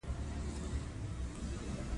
د هغې ښکلا د سپوږمۍ له ښکلا څخه څو ځلې ډېره ده.